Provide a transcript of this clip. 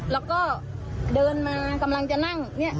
แล้วก็เดินมากำลังจะนั่งเนี่ย